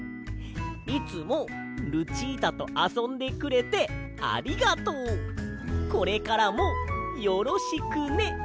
「いつもルチータとあそんでくれてありがとうこれからもよろしくね」だって！